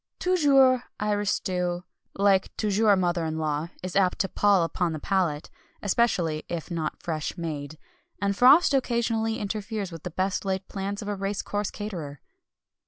Toujours Irish stew, like toujours mother in law, is apt to pall upon the palate; especially if not fresh made. And frost occasionally interferes with the best laid plans of a race course caterer.